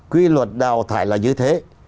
quy luật đào thải là như thế